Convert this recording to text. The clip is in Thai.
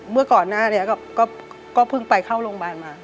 เมื่อก่อนหน้านี้ก็เพิ่งไปเข้าโรงพยาบาลมา